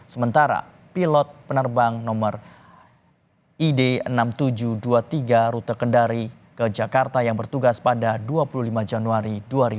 sementara pilot penerbang nomor id enam ribu tujuh ratus dua puluh tiga rute kendari ke jakarta yang bertugas pada dua puluh lima januari dua ribu dua puluh